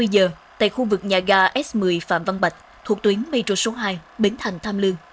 hai mươi giờ tại khu vực nhà ga s một mươi phạm văn bạch thuộc tuyến metro số hai bến thành tham lương